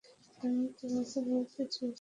আমি তোমাকে বলতে চেয়েছিলাম।